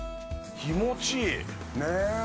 気持ちいい。